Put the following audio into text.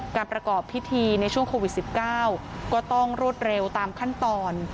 ประกอบพิธีในช่วงโควิด๑๙ก็ต้องรวดเร็วตามขั้นตอน